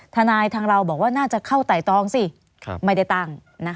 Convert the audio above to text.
ทนายทางเราบอกว่าน่าจะเข้าไต่ตองสิไม่ได้ตั้ง